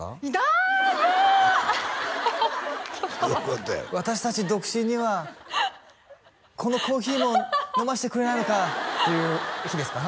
アハハちょっと待って私達独身にはこのコーヒーも飲ましてくれないのかっていう日ですか？